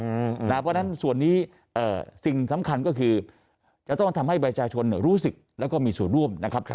เพราะฉะนั้นส่วนนี้สิ่งสำคัญก็คือจะต้องทำให้ประชาชนรู้สึกแล้วก็มีส่วนร่วมนะครับ